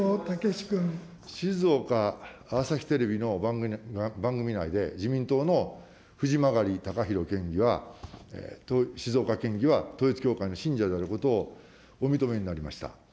静岡朝日テレビの番組内で、自民党の藤曲敬宏県議は、静岡県議は統一教会の信者であることをお認めになりました。